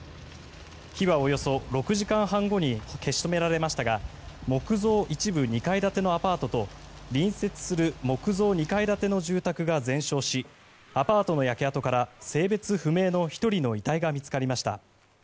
火はおよそ６時間半後に消し止められましたが木造一部２階建てのアパートと隣接する木造２階建ての住宅が全焼しアパートの焼け跡から性別不明の１人の遺体が見つかりました。